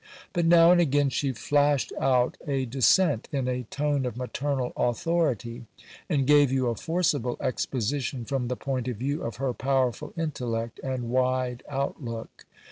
But now and again she flashed out a dissent, in a tone of maternal authority, and gave you a forcible exposition from the point of view of her powerful intellect and wide outlook.